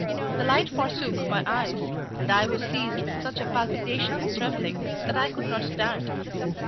The light forsook my eyes; and I was seized with such a palpitation and trembling, that I could not stand.